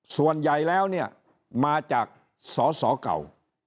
ส่วนใหญ่แล้วเนี่ยมาจากสอสอเก่า